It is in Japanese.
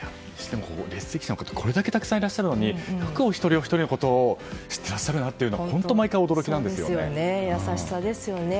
列席者の方、これだけたくさんいらっしゃるのによくお一人おひとりのことを知っていらっしゃるなと優しさですよね。